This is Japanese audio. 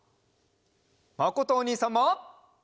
まことおにいさんも！